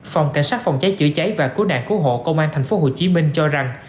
phòng cảnh sát phòng cháy chữa cháy và cứu nạn cứu hộ công an tp hcm cho rằng